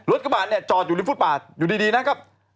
รถกระบาดจอดอยู่ในพูดป่าดอยู่ดีนะครับ